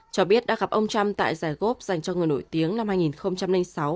cho biết đã gặp ông trump tại giải gov dành cho người nổi tiếng năm hai nghìn sáu